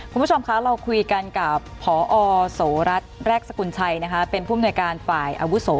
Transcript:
คุณผู้ชมคะเราคุยกันกับพอโสรัฐแรกสกุลชัยนะคะเป็นผู้อำนวยการฝ่ายอาวุโส